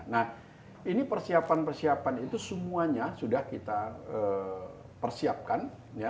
nah ini persiapan persiapan itu semuanya sudah kita persiapkan